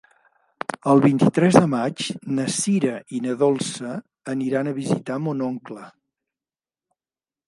El vint-i-tres de maig na Sira i na Dolça aniran a visitar mon oncle.